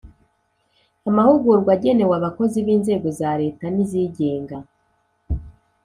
Amahugurwa agenewe abakozi b inzego za Leta n izigenga